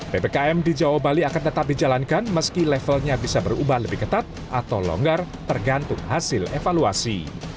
ppkm di jawa bali akan tetap dijalankan meski levelnya bisa berubah lebih ketat atau longgar tergantung hasil evaluasi